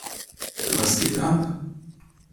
Was geht ab?